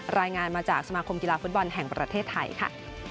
รายงานมาจากสมาคมกีฬาฟุตบอลแห่งประเทศไทยค่ะ